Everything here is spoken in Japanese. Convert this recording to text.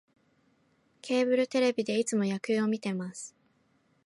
ケーブルテレビでいつも野球を観てます